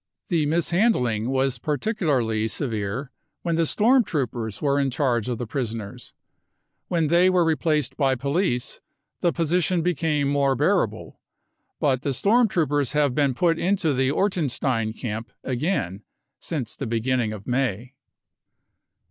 The mishandling was particularly severe when the storm troopers were in charge of the prisoners ; when they were replaced by police, the position became more bearable. But the storm troopers have been put into the Ortenstein camp again since the beginning of May.